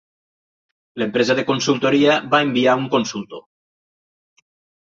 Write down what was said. L'empresa de consultoria va enviar un consultor.